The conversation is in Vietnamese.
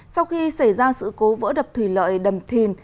sau khi xảy ra sự cố vỡ đập thủy lợi đầm thìn